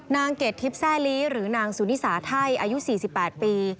เกรดทิพย์แซ่ลีหรือนางสุนิสาไทยอายุ๔๘ปี